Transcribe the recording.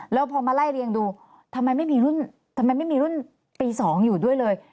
แล้วพอมาไล่เรียนดูทำไมไม่มีรุ่นปี๒อยู่ด้วยเลย